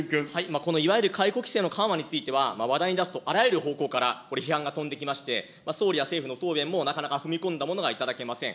このいわゆる解雇規制の緩和については、話題に出すとあらゆる方向から批判が飛んできまして、総理の答弁も政府のご答弁のなかなか踏み込んだものがいただけません。